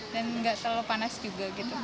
dan enggak terlalu panas juga gitu